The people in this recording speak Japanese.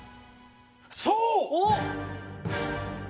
そう。